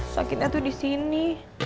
sakitnya tuh disini